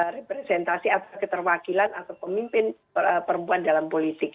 representasi atau keterwakilan atau pemimpin perempuan dalam politik